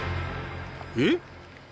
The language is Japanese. えっ！？